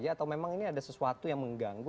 atau memang ini ada sesuatu yang mengganggu